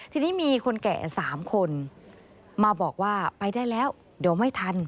ทีนี้มีคนแก่๓คนมาบอกว่าไปได้แล้วเดี๋ยวไม่ทัน